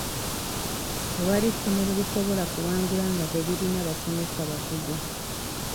Tewali ssomero lisobola kuwangula nga teriyina basomesa bakugu.